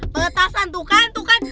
petasan tuh kan tuh kan